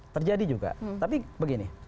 terjadi juga tapi begini